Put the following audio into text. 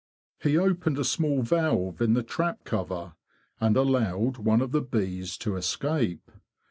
He opened a small valve in the trap cover, and allowed one of the bees to escape.